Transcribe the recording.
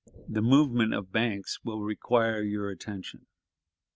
"The movement of Banks will require your attention.